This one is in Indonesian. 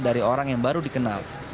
dari orang yang baru dikenal